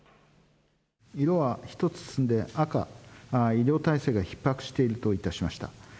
色は１つ進んで赤、医療体制がひっ迫しているといたしました。